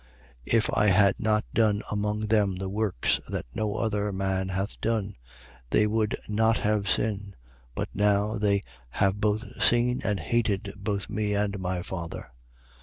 15:24. If I had not done among them the works that no other man hath done, they would not have sin: but now they have both seen and hated both me and my Father.